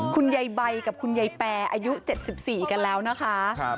คุณใยใบกับคุณใยแปรอายุ๗๔แล้วนะคะ